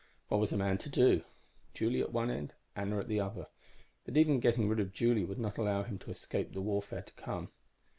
What was a man to do? Julie at one end, Anna at the other. But even getting rid of Julie would not allow him to escape the warfare to come.